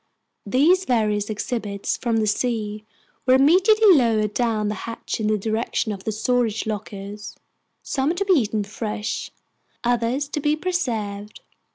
These various exhibits from the sea were immediately lowered down the hatch in the direction of the storage lockers, some to be eaten fresh, others to be preserved.